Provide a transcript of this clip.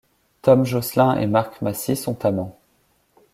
Tom Joslin et Mark Massi sont amants.